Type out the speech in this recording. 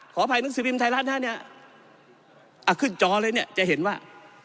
ขออภัยหนังสือพิมพ์ไทยรัฐนะเนี่ยขึ้นจอเลยเนี่ยจะเห็นว่า